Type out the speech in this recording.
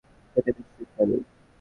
খেতে বেশ সুস্বাদু!